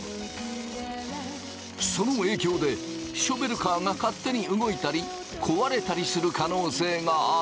その影響でショベルカーが勝手に動いたりこわれたりする可能性がある。